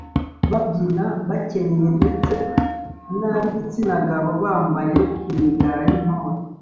babyina bakenyeye ndetse n’ab’igitsina gabo bambaye imigara y’intore